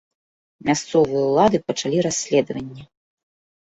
Мясцовыя ўлады пачалі расследаванне.